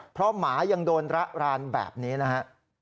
เพราะหมายังโดนระรานแบบนี้นะฮะ